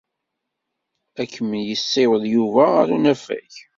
Ad kem-yessiweḍ Yuba ɣer unafag.